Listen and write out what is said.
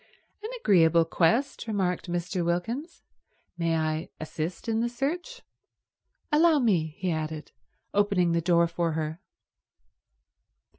"An agreeable quest," remarked Mr. Wilkins, "May I assist in the search? Allow me—" he added, opening the door for her.